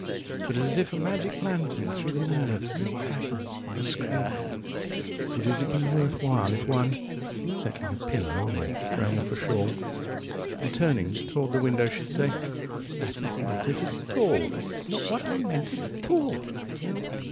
105But as if a magic lantern threw the nerves in patterns on a screen:106Would it have been worth while107If one, settling a pillow or throwing off a shawl,108And turning toward the window, should say:109 "That is not it at all,110 That is not what I meant, at all."